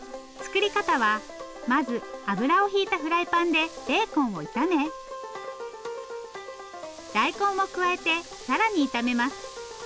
作り方はまず油を引いたフライパンでベーコンを炒め大根を加えて更に炒めます。